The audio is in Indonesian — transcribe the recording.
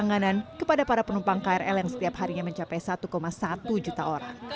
dan juga untuk memperlangganan kepada para penumpang krl yang setiap harinya mencapai satu satu juta orang